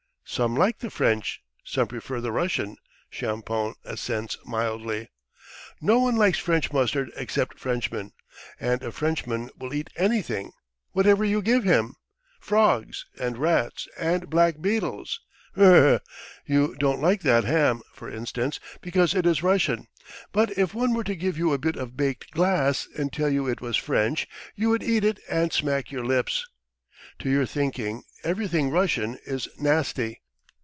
"Some like the French, some prefer the Russian. .." Champoun assents mildly. "No one likes French mustard except Frenchmen. And a Frenchman will eat anything, whatever you give him frogs and rats and black beetles. .. brrr! You don't like that ham, for instance, because it is Russian, but if one were to give you a bit of baked glass and tell you it was French, you would eat it and smack your lips. ... To your thinking everything Russian is nasty."